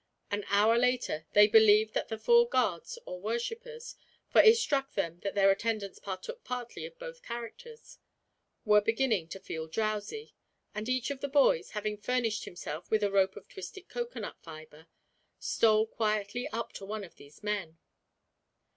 An hour later they believed that the four guards or worshipers, for it struck them that their attendants partook partly of both characters were beginning to feel drowsy; and each of the boys, having furnished himself with a rope of twisted coconut fiber, stole quietly up to one of these men.